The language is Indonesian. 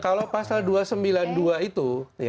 kalau pasal dua ratus sembilan puluh dua itu